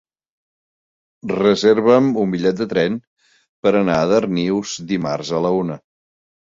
Reserva'm un bitllet de tren per anar a Darnius dimarts a la una.